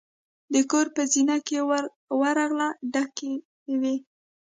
د کور په زینه کې ورغله ډکې وې.